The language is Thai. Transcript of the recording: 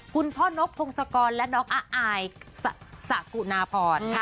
คุณพ่อนกพงศกรและน้องอายสะกุนาพร